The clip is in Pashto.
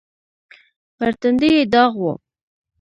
پر تندي يې داغ و.